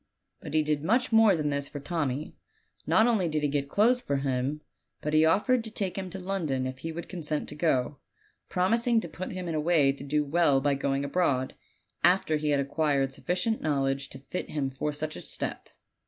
But he did much more than this for Tommy. Not only did he get clothes for him, but he offered to take him to London if he would consent to go, promis ing to put him in a way to do well by going abroad, after he had acquired sufficient knowledge to fit him for such a step.